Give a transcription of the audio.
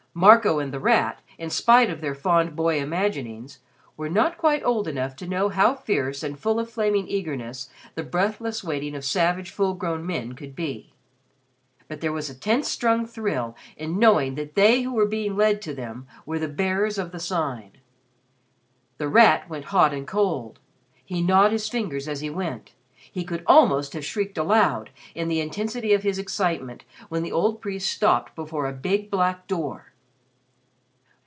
Marco and The Rat, in spite of their fond boy imaginings, were not quite old enough to know how fierce and full of flaming eagerness the breathless waiting of savage full grown men could be. But there was a tense strung thrill in knowing that they who were being led to them were the Bearers of the Sign. The Rat went hot and cold; he gnawed his fingers as he went. He could almost have shrieked aloud, in the intensity of his excitement, when the old priest stopped before a big black door!